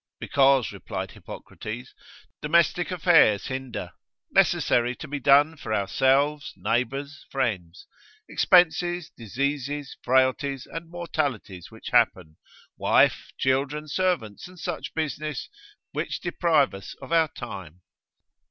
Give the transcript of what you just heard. Because, replied Hippocrates, domestic affairs hinder, necessary to be done for ourselves, neighbours, friends; expenses, diseases, frailties and mortalities which happen; wife, children, servants, and such business which deprive us of our time.